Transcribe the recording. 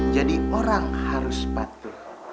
jadi orang harus patuh